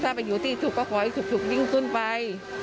ถ้ามาอยู่ที่ภูมิก็ขออีกลิ้งขึ้นไป